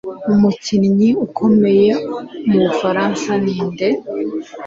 Umukinnyi ukomeye mubufaransa ni inde